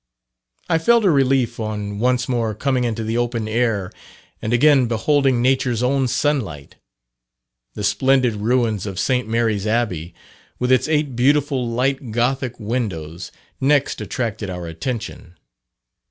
I felt a relief on once more coming into the open air and again beholding Nature's own sun light. The splendid ruins of St. Mary's Abbey, with its eight beautiful light gothic windows, next attracted our attention.